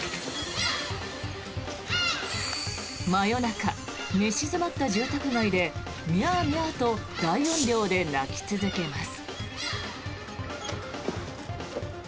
真夜中、寝静まった住宅街でミャーミャーと大音量で鳴き続けます。